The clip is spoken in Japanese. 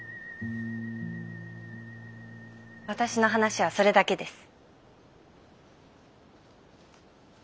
私の話はそれだけです。